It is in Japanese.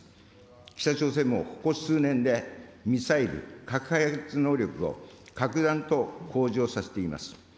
北朝鮮もここ数年で、ミサイル・核開発能力を格段と向上させています。